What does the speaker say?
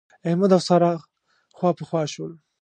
احمد او سارا خواپخوا شول.